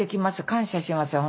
感謝しますよ